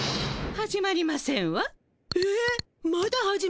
始まりません。